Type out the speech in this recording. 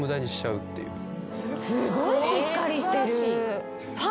すごいしっかりしてる。